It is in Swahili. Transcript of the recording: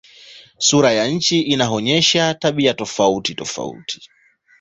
Sura ya nchi inaonyesha tabia tofautitofauti.